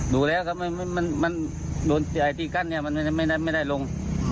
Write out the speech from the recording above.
ดูแล้วครับมันกอนที่แก้เนี่ยมันไม่ได้ลง